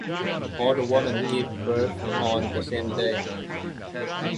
All the women give birth on the same day.